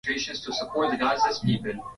nyenzo zilizotumika zamani zinapatikana isimila